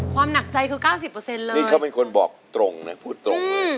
ความหนักใจคือ๙๐เปอร์เซ็นต์เลยนี่เขาเป็นคนบอกตรงนะพูดตรงเลย